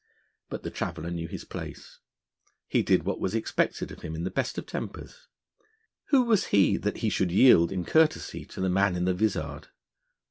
But the traveller knew his place: he did what was expected of him in the best of tempers. Who was he that he should yield in courtesy to the man in the vizard?